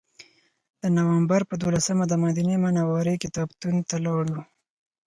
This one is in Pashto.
د نوامبر په دولسمه دمدینې منورې کتابتون ته لاړو.